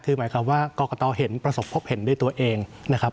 คือหมายความว่ากรกตเห็นประสบพบเห็นด้วยตัวเองนะครับ